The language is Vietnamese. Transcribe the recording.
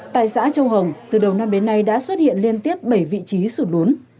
tại xã châu hồng từ đầu năm đến nay đã xuất hiện liên tiếp bảy vị trí sụt lún